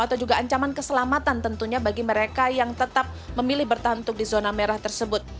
atau juga ancaman keselamatan tentunya bagi mereka yang tetap memilih bertahan untuk di zona merah tersebut